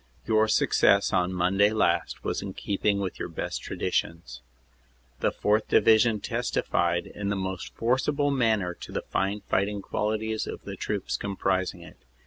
Your success on Monday last was in keeping with your best traditions. The 4th. Division testified in the most forcible manner to the fine fighting qualities of the troops comprising it.